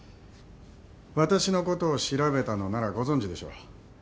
私のことを調べたのならご存じでしょう。